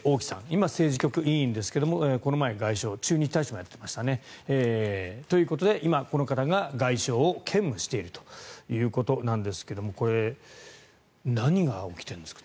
今、政治局委員ですがこの前、外相駐日大使もやっていましたね。ということで、今この方が外相を兼務しているということなんですがこれ、何が起きてるんですか？